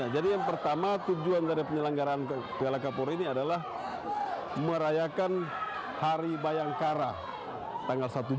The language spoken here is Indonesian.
jadi yang pertama tujuan dari penyelenggaraan piala kapolri ini adalah merayakan hari bayangkara tanggal satu juli